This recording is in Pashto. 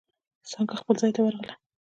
څانگه خپل ځای ته ورغله.